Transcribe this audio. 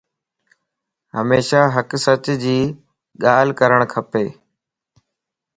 ھميشا ھق سچ جي ڳالھه ڪرڻ کپ